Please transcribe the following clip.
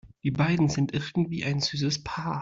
Die beiden sind irgendwie ein süßes Paar.